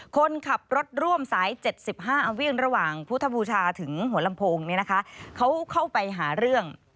คนขับรถร่วมสาย๗๕วิ่งระหว่างพุทธบูชาถึงหัวลำโพงเขาเข้าไปหาเรื่อง